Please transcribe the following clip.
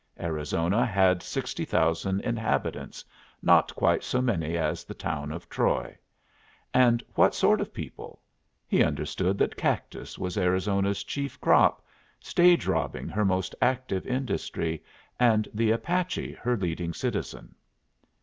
Arizona had sixty thousand inhabitants, not quite so many as the town of Troy. And what sort of people? He understood that cactus was Arizona's chief crop, stage robbing her most active industry, and the Apache her leading citizen.